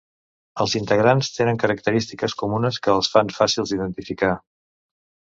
Els integrants tenen característiques comunes que els fan fàcils d'identificar.